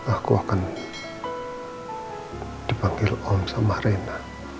aku akan dipanggil om sama rena